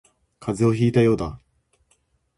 風邪をひいたようだ